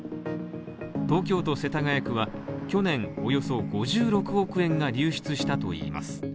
東京都世田谷区は去年およそ５６億円が流出したといいます。